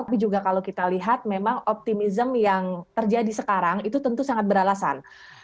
tapi juga kalau kita lihat memang optimism yang terjadi sekarang itu tentu sangat beralasan